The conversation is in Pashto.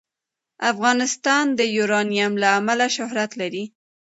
افغانستان د یورانیم له امله شهرت لري.